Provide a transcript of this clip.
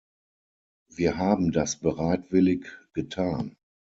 Wir haben das bereitwillig getan.